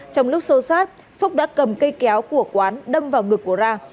trong lúc xô sát phúc đã cầm cây kéo của quán đâm vào ngực của ra